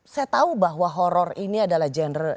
saya tahu bahwa horror ini adalah genre